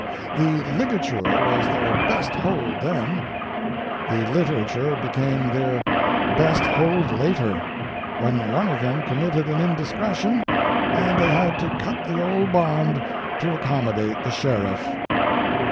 The ligature was their best hold then, the literature became their best hold later, when one of them committed an indiscretion, and they had to cut the old bond to accommodate the sheriff.